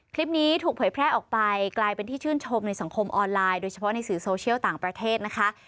คลิปนี้ถูกเผยแพร่ออกไปกลายเป็นที่ชื่นชมในสังคมออนไลน์โดยเฉพาะในสื่อโซเชียลต่างประเทศนะคะ